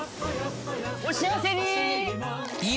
お幸せに！